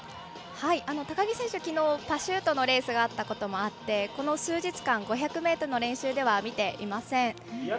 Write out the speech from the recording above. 高木選手、きのうパシュートのレースがあったこともあってこの数日間、５００ｍの練習では見ていません。